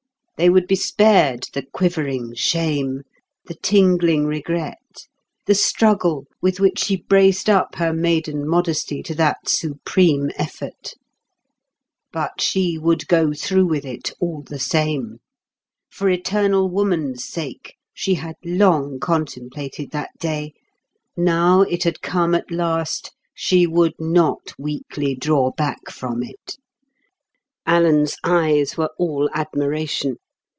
They would be spared the quivering shame, the tingling regret, the struggle with which she braced up her maiden modesty to that supreme effort. But she would go through with it all the same. For eternal woman's sake she had long contemplated that day; now it had come at last, she would not weakly draw back from it. Alan's eyes were all admiration.